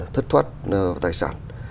thất thoát tài sản